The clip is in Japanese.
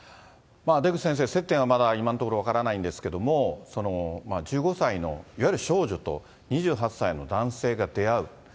出口先生、接点はまだ今のところ分からないんですけども、１５歳のいわゆる少女と、２８歳の男性が出会う。